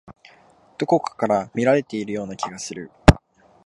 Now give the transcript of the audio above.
どこかから見られているような気がする。